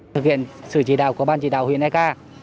thực hiện sự chỉ đạo của ban chỉ đạo huyện eka